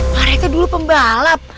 pak rt dulu pembalap